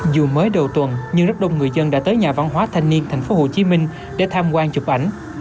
dù mới đầu tuần nhưng rất đông người dân đã tới nhà văn hóa thanh niên tp hcm để tham quan chụp ảnh